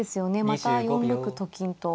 また４六と金と。